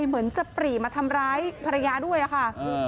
เหมือนจะปรีมาทำร้ายภรรยาด้วยค่ะ